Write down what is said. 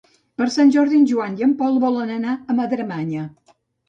Per Sant Jordi en Joan i en Pol volen anar a Madremanya.